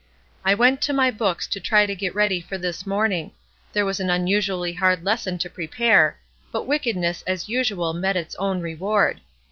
I went to my books to try to get ready for this morning, there was an unusually hard lesson to prepare, but wickedness as usual met its own reward.